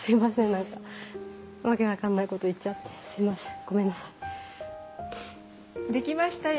なんか訳わかんないこと言っちゃってすいませんごめんなさいできましたよ